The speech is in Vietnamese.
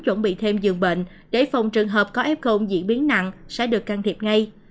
chuẩn bị thêm dường bệnh để phòng trường hợp có f công diễn biến nặng sẽ được can thiệp ngay